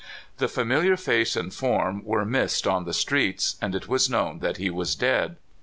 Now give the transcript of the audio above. The familiar face and form were missed on the streets, and it was known that he was dead.